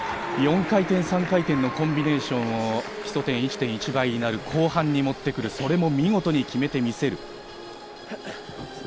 ４回転、３回転のコンビネーションを基礎点１．１倍になる後半に持ってくる、それも見事に決めてみせる。